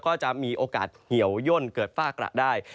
ก็จะมีโอกาสเหี่ยวย่นเกิดฝ้ากระได้